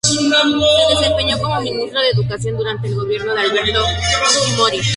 Se desempeñó como Ministro de Educación durante el Gobierno de Alberto Fujimori.